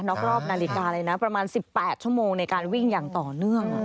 รอบนาฬิกาเลยนะประมาณ๑๘ชั่วโมงในการวิ่งอย่างต่อเนื่อง